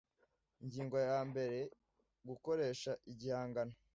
ingingo ya mbere gukoresha igihangano